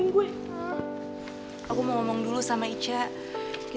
ngateh gue terlalu ngeri sekarang